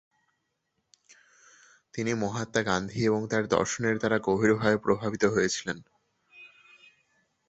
তিনি মহাত্মা গান্ধী এবং তার দর্শনের দ্বারা গভীরভাবে প্রভাবিত হয়েছিলেন।